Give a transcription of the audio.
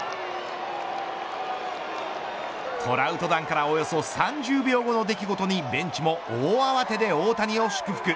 トラウト弾からおよそ３０秒後の出来事にベンチも大慌てで大谷を祝福。